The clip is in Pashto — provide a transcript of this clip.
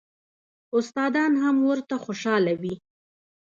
استادان هم ورته خوشاله وي.